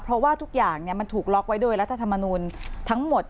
เพราะว่าทุกอย่างมันถูกล็อกไว้โดยรัฐธรรมนูลทั้งหมด